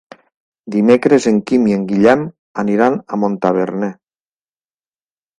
Dimecres en Quim i en Guillem aniran a Montaverner.